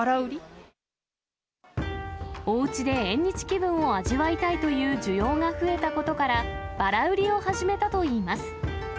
おうちで縁日気分を味わいたいという需要が増えたことから、ばら売りを始めたといいます。